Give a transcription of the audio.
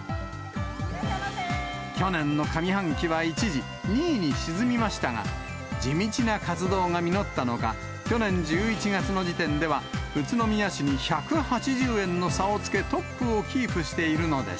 去年の上半期は一時、２位に沈みましたが、地道な活動が実ったのか、去年１１月の時点では、宇都宮市に１８０円の差をつけトップをキープしているのです。